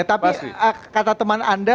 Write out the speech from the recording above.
tapi kata teman anda